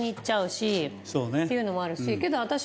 っていうのもあるしけど。